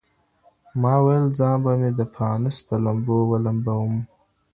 ماویل ځان به د پانوس په لمبو ولمبوم